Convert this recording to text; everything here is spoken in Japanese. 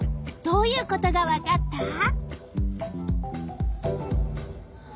どういうことがわかった？